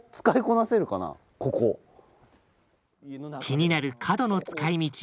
気になる角の使い道